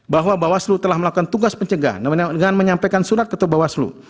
bahwa bawaslu telah melakukan tugas pencegahan dengan menyampaikan surat ke bawaslu